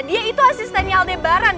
dia itu asistennya aldebaran